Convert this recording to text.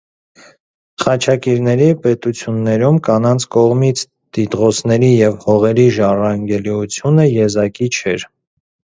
Խաչակիրների պետություններում կանանց կողմից տիտղոսների և հողերի ժառանգելիությունը եզակի չէր։